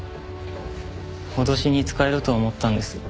脅しに使えると思ったんです。